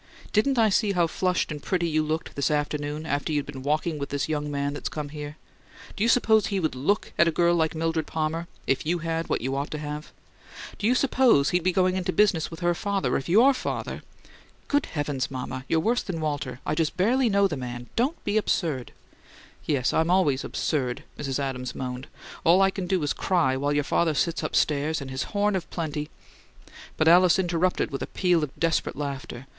Didn't I see how flushed and pretty you looked, this afternoon, after you'd been walking with this young man that's come here? Do you suppose he'd LOOK at a girl like Mildred Palmer if you had what you ought to have? Do you suppose he'd be going into business with her father if YOUR father " "Good heavens, mama; you're worse than Walter: I just barely know the man! DON'T be so absurd!" "Yes, I'm always 'absurd,'" Mrs. Adams moaned. "All I can do is cry, while your father sits upstairs, and his horn of plenty " But Alice interrupted with a peal of desperate laughter.